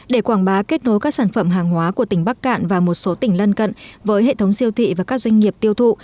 để quảng bá kết nối các sản phẩm hàng hóa của tỉnh bắc cạn và một số tỉnh lân cận với hệ thống siêu thị và các doanh nghiệp tiêu thụ